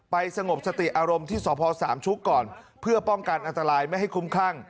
สงบสติอารมณ์ที่สพสามชุกก่อนเพื่อป้องกันอันตรายไม่ให้คุ้มคลั่ง